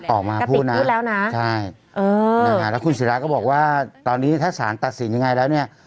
ออกมาพูดนะพูดแล้วนะใช่เออนะฮะแล้วคุณศิราก็บอกว่าตอนนี้ถ้าสารตัดสินยังไงแล้วเนี่ย